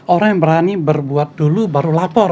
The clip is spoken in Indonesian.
orang yang berani berbuat dulu baru lapor